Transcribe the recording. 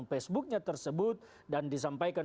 facebooknya tersebut dan disampaikan